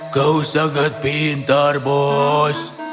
kau sangat pintar bos